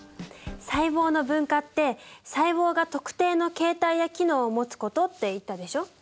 細胞の分化って細胞が特定の形態や機能を持つことって言ったでしょ？